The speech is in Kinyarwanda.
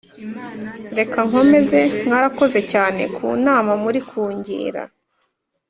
reka nkomeze mwarakoze cyane kunama muri kungira